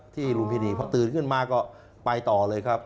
ลุมพินีพอตื่นขึ้นมาก็ไปต่อเลยครับ